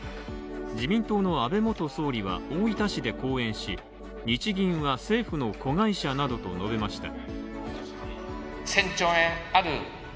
自民党の安倍元総理は、大分市で講演し、日銀は政府の子会社などと述べました。